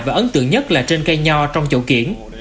và ấn tượng nhất là trên cây nho trong chậu kiện